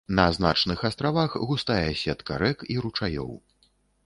На значных астравах густая сетка рэк і ручаёў.